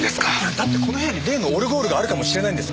だってこの部屋に例のオルゴールがあるかもしれないんです。